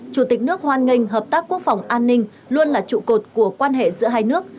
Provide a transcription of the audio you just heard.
chủ tịch nước hoan nghênh hợp tác quốc phòng an ninh luôn là trụ cột của quan hệ giữa hai nước